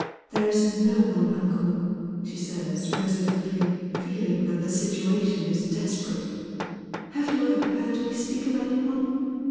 " There is no one, uncle," she says resolutely, feeling that the situation is desperate. " Have you ever heard me speak of any one